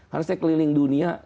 karena di keliling dunia